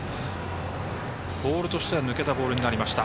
ボールとしては抜けたボールになりました。